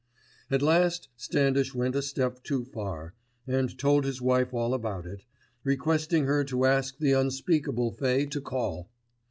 At last Standish went a step too far and told his wife all about it, requesting her to ask the unspeakable Fay to call.